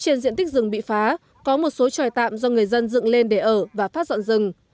trên diện tích rừng bị phá có một số tròi tạm do người dân dựng lên để ở và phát dọn rừng